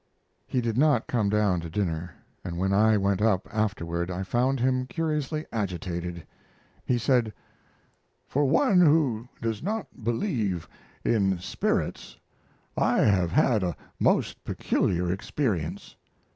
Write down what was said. He did not come down to dinner, and when I went up afterward I found him curiously agitated. He said: "For one who does not believe in spirits I have had a most peculiar experience.